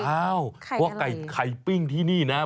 อ้าวไข่ปิ้งที่นี่นะ